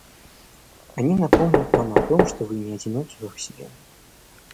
Они напомнят вам о том, что вы не одиноки во Вселенной.